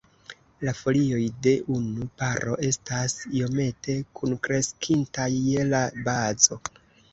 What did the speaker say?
La folioj de unu paro estas iomete kunkreskintaj je la bazo.